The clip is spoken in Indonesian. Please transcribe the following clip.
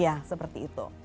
ya seperti itu